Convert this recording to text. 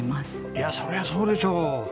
いやそりゃそうでしょう。